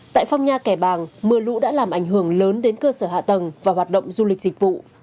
tại phong nha kẻ bàng mưa lũ đã làm ảnh hưởng lớn đến cơ sở hạ tầng và hoạt động du lịch dịch vụ